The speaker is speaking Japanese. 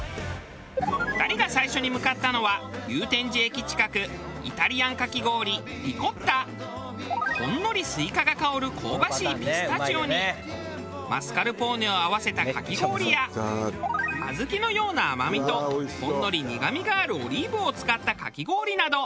２人が最初に向かったのは祐天寺駅近くほんのりスイカが香る香ばしいピスタチオにマスカルポーネを合わせたかき氷や小豆のような甘みとほんのり苦みがあるオリーブを使ったかき氷など。